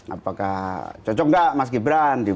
apakah cocok nggak mas gibran